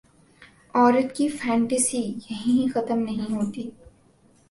عورت کی فنتاسی یہیں ختم نہیں ہوتی۔